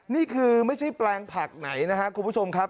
นี่คือไม่ใช่แปลงผักไหนนะครับคุณผู้ชมครับ